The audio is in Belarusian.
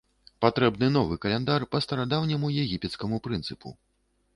Патрэбны новы каляндар па старадаўняму егіпецкаму прынцыпу.